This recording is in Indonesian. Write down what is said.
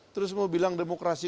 terus mau bilang demokrasi